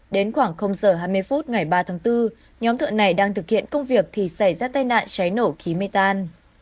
đến khoảng giờ hai mươi phút ngày ba tháng bốn nhóm thợ này đang thực hiện công việc thì xảy ra tai nạn cháy nổ khí mê tan